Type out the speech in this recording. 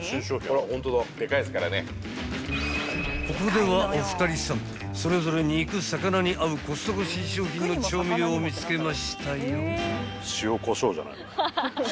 ［ここではお二人さんそれぞれ肉・魚に合うコストコ新商品の調味料を見つけましたよ］